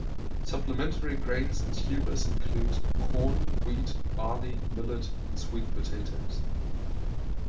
Supplementary grains and tubers include corn, wheat, barley, millet, and sweet potatoes.